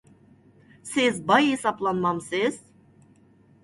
سىز باي ھېسابلانمامسىز؟